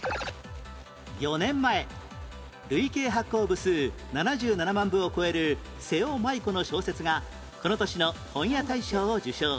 ４年前累計発行部数７７万部を超える瀬尾まいこの小説がこの年の本屋大賞を受賞